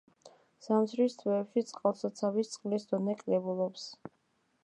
ზამთრის თვეებში წყალსაცავის წყლის დონე კლებულობს.